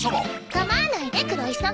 構わないで黒磯。